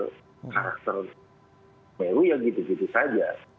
karakter meru ya gitu gitu saja